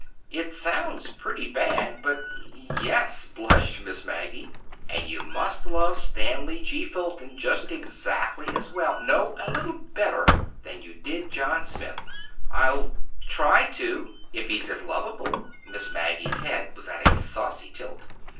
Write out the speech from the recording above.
"It sounds pretty bad, but—yes," blushed Miss Maggie. "And you must love Stanley G. Fulton just exactly as well—no, a little better, than you did John Smith." "I'll—try to—if he's as lovable." Miss Maggie's head was at a saucy tilt.